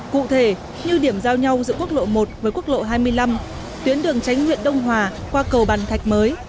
cụ thể như điểm giao nhau giữa quốc lộ một với quốc lộ hai mươi năm tuyến đường tránh nguyện đông hòa qua cầu bàn thạch mới